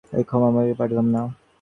কিন্তু, আমি ক্ষমা করতে পারলেম না।